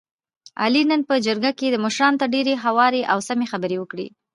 علي نن په جرګه کې مشرانو ته ډېرې هوارې او سمې خبرې وکړلې.